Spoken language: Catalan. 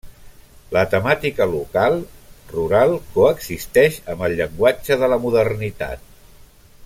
La temàtica local, rural, coexisteix amb el llenguatge de la modernitat.